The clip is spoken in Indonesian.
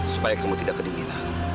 supaya kamu tidak kedinginan